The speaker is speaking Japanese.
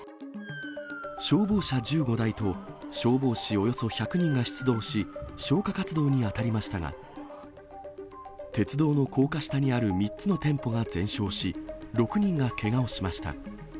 消防車１５台と消防士およそ１００人が出動し、消火活動に当たりましたが、鉄道の高架下にある３つの店舗が全焼し、６人がけがをしました。